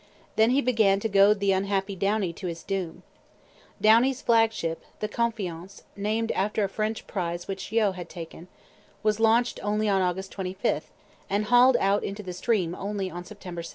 Then he began to goad the unhappy Downie to his doom. Downie's flagship, the Confiance, named after a French prize which Yeo had taken, was launched only on August 25, and hauled out into the stream only on September 7.